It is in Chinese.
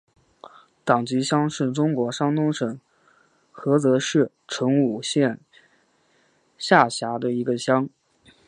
党集乡是中国山东省菏泽市成武县下辖的一个乡。